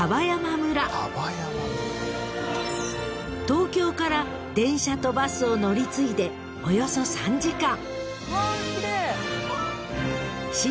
［東京から電車とバスを乗り継いでおよそ３時間］